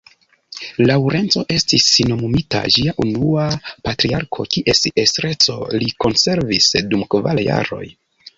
Laŭrenco estis nomumita ĝia unua patriarko kies estreco li konservis dum kvar jaroj.